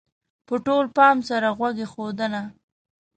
-په ټول پام سره غوږ ایښودنه: